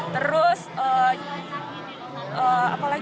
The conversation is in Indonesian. terus apa lagi ya mas